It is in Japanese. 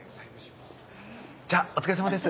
じゃあお疲れさまです。